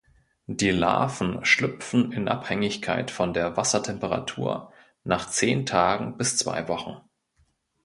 Die Larven schlüpfen in Abhängigkeit von der Wassertemperatur nach zehn Tagen bis zwei Wochen.